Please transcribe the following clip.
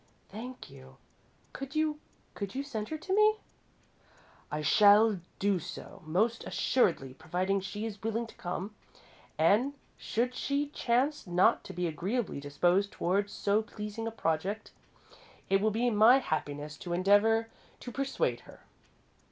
"Thank you. Could you could you send her to me?" "I shall do so, most assuredly, providing she is willing to come, and should she chance not to be agreeably disposed toward so pleasing a project, it will be my happiness to endeavour to persuade her."